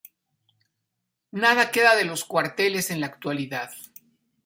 Nada queda de los cuarteles en la actualidad.